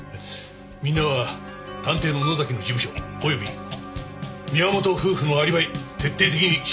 みんなは探偵の野崎の事務所および宮本夫婦のアリバイ徹底的に調べてくれ。